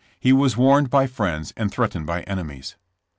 He was warned by friends and threat ened by enemies.